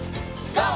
ＧＯ！